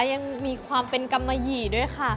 ยังมีความเป็นกำมะหยี่ด้วยค่ะ